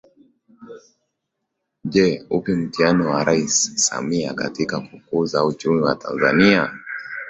Je upi mtihani wa Rais Samia katika kukuza uchumi wa Tanzania